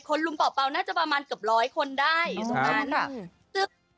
คนลุงเป่าน่าจะประมาณกับร้อยคนได้ตรงนั้น